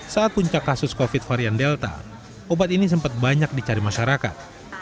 saat puncak kasus covid varian delta obat ini sempat banyak dicari masyarakat